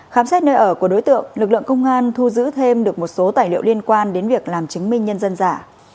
khám xét nơi ở của đối tượng lực lượng công an thu giữ thêm được một số tài liệu liên quan đến việc làm chứng minh nhân dân giả